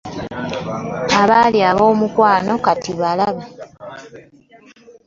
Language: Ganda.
Abaali abomukwano kati balabe.